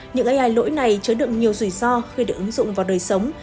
những ai lỗi này chứa đựng nhiều rủi ro khi được ứng dụng vào đời sống